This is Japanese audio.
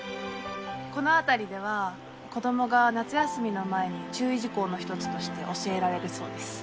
この辺りでは子供が夏休みの前に注意事項の一つとして教えられるそうです。